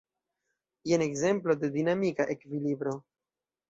Jen ekzemplo de dinamika ekvilibro.